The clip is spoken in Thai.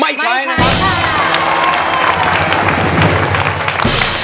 ไม่ใช้ครับ